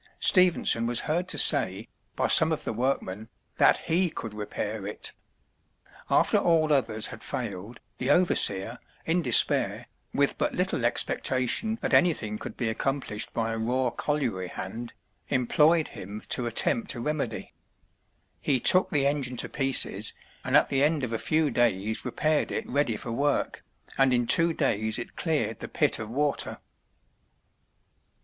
Stephenson was heard to say, by some of the workmen, that he could repair it. After all others had failed, the overseer, in despair, with but little expectation that anything could be accomplished by a raw colliery hand, employed him to attempt a remedy. He took the engine to pieces and at the end of a few days repaired it ready for work, and in two days it cleared the pit of water.